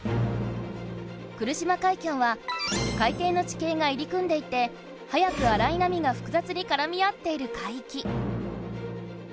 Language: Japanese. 来島海峡は海底の地形が入り組んでいてはやくあらいなみがふくざつにからみ合っている海域。